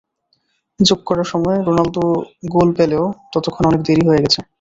যোগ করা সময়ে রোনালদো গোল পেলেও ততক্ষণে অনেক দেরি হয়ে গেছে।